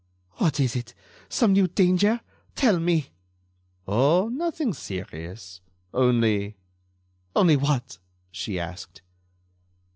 "What is it? Some new danger? Tell me!" "Oh! nothing serious. Only...." "Only what?" she asked.